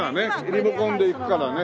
リモコンでいくからね。